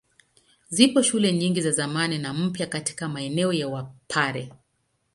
Zipo shule nyingi za zamani na mpya katika maeneo ya Wapare.